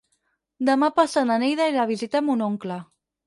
Demà passat na Neida irà a visitar mon oncle.